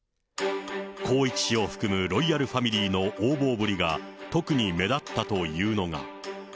宏一氏を含むロイヤルファミリーの横暴ぶりが特に目立ったというのが。